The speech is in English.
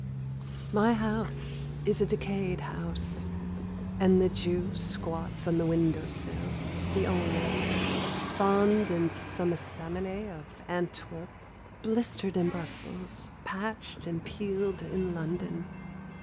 My house is a decayed house, And the jew squats on the window sill, the owner, Spawned in some estaminet of Antwerp, Blistered in Brussels, patched and peeled in London.